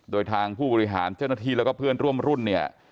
โดยทางผู้บริหารเจ้าหน้าที่แล้วก็เพื่อนร่วมรุ่นเนี่ย